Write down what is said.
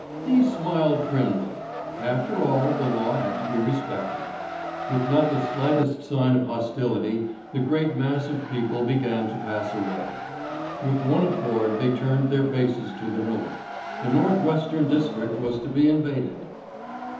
He smiled grimly. After all, the law had to be respected. With not the slightest sign of hostility the great mass of people began to pass away. With one accord they turned their faces to the North. The North Western district was to be invaded.